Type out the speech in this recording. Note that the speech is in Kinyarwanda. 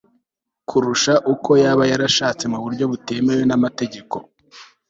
kurusha uko yaba yarashatse mu buryo butemewe n'amategeko